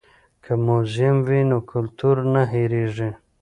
که موزیم وي نو کلتور نه هیریږي.